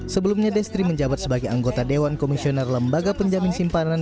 sebelumnya destri menjabat sebagai anggota dewan komisioner lembaga penjamin simpanan